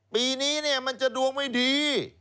ปีนี้มันจะดวงไม่ดี